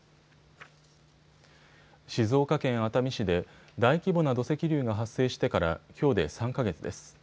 静岡県熱海市で大規模な土石流が発生してからきょうで３か月です。